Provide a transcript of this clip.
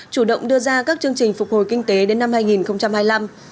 chủ động đưa ra các chương trình phục hồi kinh tế đến năm hai nghìn hai mươi năm